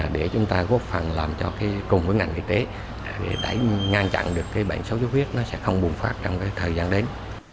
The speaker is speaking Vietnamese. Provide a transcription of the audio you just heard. để chúng ta góp phần làm cho cùng với ngành y tế để ngăn chặn được bệnh sốt xuất huyết nó sẽ không bùng phát trong thời gian đến